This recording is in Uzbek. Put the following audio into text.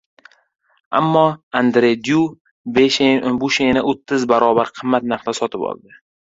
Ammo Andre Dyu Busheni o‘ttiz barobar qimmat narxda sotib oldi.